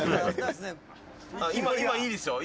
「今いいですよ」